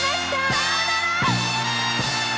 さよなら！